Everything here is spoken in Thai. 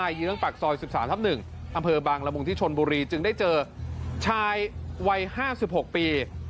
เยื้องปากซอย๑๓ทับ๑อำเภอบางละมุงที่ชนบุรีจึงได้เจอชายวัย๕๖ปี